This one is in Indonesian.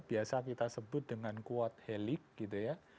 biasa kita sebut dengan quote helik gitu ya